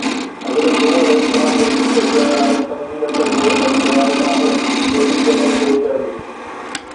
حضرت نوح عليه السلام جو پٽ اها ڳالهه سمجهي نه سگهيو ۽ چيائين ته ”آئون جودي جبل تي چڙهندس.